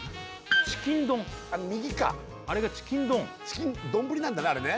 「チキン丼」右かあれがチキン丼チキン丼なんだね